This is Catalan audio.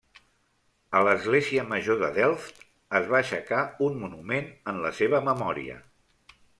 A l'Església Major de Delft es va aixecar un monument en la seva memòria.